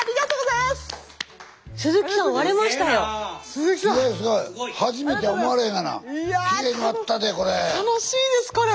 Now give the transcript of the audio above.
いや楽しいですこれ。